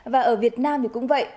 và ở việt nam thì cũng vậy